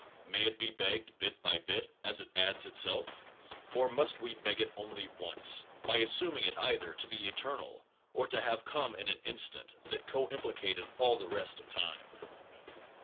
May it be begged bit by bit, as it adds itself? Or must we beg it only once, by assuming it either to be eternal or to have come in an instant that co implicated all the The pnn res t of time?